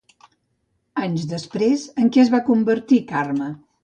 Anys després, en què es va convertir Carme?